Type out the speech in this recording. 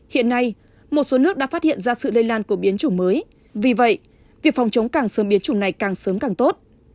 hiện nay một số nước đã phát hiện ra sự lây lan của biến chủng mới vì vậy việc phòng chống càng sớm biến chủng này càng sớm càng tốt